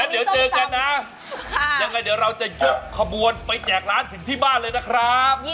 นั่งทันทีเห็นผลทันทีเลย